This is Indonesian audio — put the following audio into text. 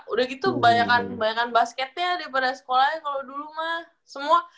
udah gitu banyakan basketnya daripada sekolahnya kalo dulu mah